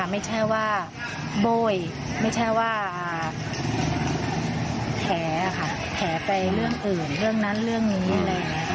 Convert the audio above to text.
ไม่ใช่ว่าเบ่ยแถวอื่นละเขียนเรื่องนั้น